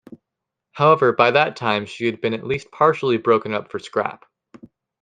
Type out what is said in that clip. However, by that time she had been at least partially broken up for scrap.